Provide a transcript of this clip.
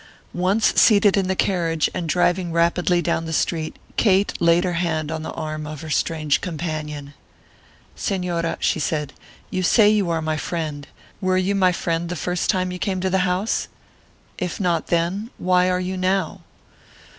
Once seated in the carriage and driving rapidly down the street Kate laid her hand on the arm of her strange companion. "Señora," she said, "you say you are my friend; were you my friend the first time you came to the house? If not then, why are you now?"